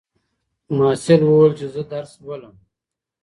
محصل وویل چې زه درس لولم.